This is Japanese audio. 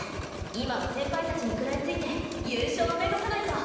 今は先輩たちに食らいついて優勝を目指さないと！